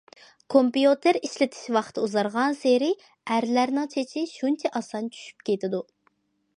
كومپيۇتېر ئىشلىتىش ۋاقتى ئۇزارغانسېرى ئەرلەرنىڭ چېچى شۇنچە ئاسان چۈشۈپ كېتىدۇ.